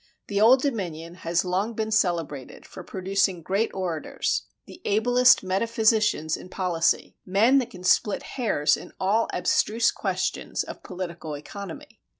The Old Dominion has long been celebrated for producing great orators; the ablest metaphysicians in policy; men that can split hairs in all abstruse questions of political economy.